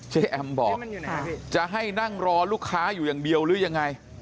แอมบอกจะให้นั่งรอลูกค้าอยู่อย่างเดียวหรือยังไง